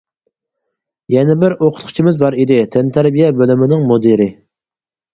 يەنە بىر ئوقۇتقۇچىمىز بار ئىدى تەنتەربىيە بۆلۈمىنىڭ مۇدىرى.